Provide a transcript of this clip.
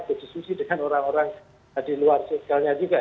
berdiskusi dengan orang orang di luar sosialnya juga